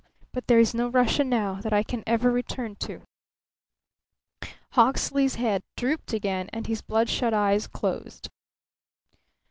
But there is no Russia now that I can ever return to!" Hawksley's head drooped again and his bloodshot eyes closed.